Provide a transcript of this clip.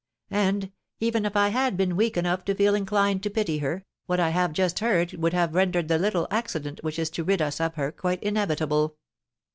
And, even if I had been weak enough to feel inclined to pity her, what I have just heard would have rendered the little 'accident,' which is to rid us of her, quite inevitable."